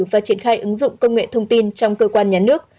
và triển khai ứng dụng công nghệ thông tin trong cơ quan nhà nước